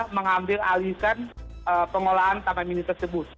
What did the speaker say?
mengambil alihkan pengelolaan taman mini tersebut